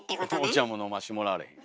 お茶も飲ましてもらわれへん。